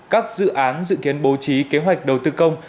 các dự án dự kiến bố trí kế hoạch đầu tư công